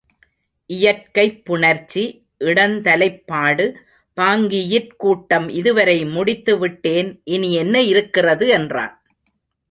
இயற்கைப்புணர்ச்சி, இடந்தலைப்பாடு, பாங்கியிற் கூட்டம் இதுவரை முடித்து விட்டேன். இனி என்ன இருக்கிறது? என்றான்.